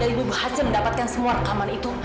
dan ibu bahasa mendapatkan semua rekaman itu